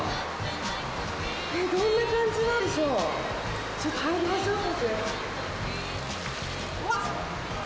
どんなお風呂なんでしょうか？